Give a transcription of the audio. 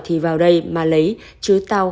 thì vào đây mà lấy chứ tao